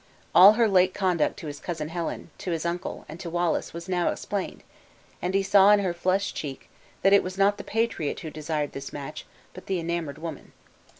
All her late conduct to his cousin Helen, to his uncle, and to Wallace, was now explained; and he saw in her flushed cheek, that it was not the patriot who desired this match, but the enamored woman.